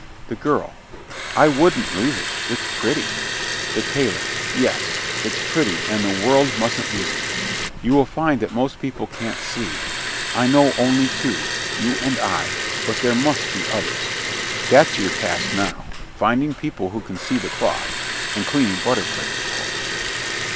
THE GIRL I wouldn't lose it. It's pretty. THE TAILOR Yes, it's pretty and the world mustn't lose it. You will find that most people can't see. I know only two, you and I, but there must be others. That's your task now, finding people who can see the cloth and cleaning butter plates, of course.